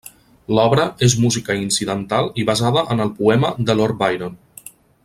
L'obra és música incidental i basada en el poema de Lord Byron.